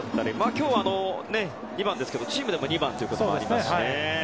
今日は２番ですけどチームでも２番ということがありますね。